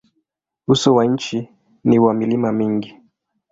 Uso wa nchi ni wa milima mingi.